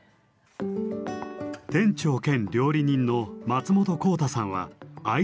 店長兼料理人の松本耕太さんは愛知県出身。